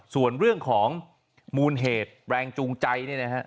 ส่วนเรื่องของมูลเหตุแรงจูงใจ